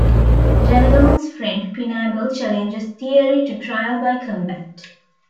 Ganelon's friend Pinabel challenges Thierry to trial by combat.